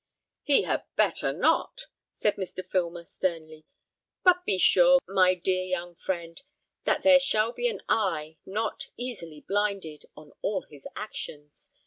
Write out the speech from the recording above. "He had better not," said Mr. Filmer, sternly; "but be sure, my dear young friend, that there shall be an eye, not easily blinded, on all his actions.